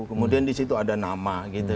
kemudian di situ ada nama gitu